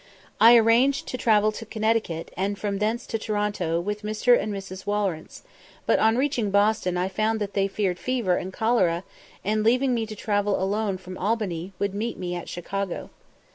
I had arranged to travel to Cincinnati, and from thence to Toronto, with Mr. and Mrs. Walrence, but on reaching Boston I found that they feared fever and cholera, and, leaving me to travel alone from Albany, would meet me at Chicago.